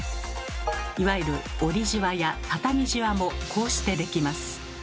いわゆる「折りジワ」や「たたみジワ」もこうしてできます。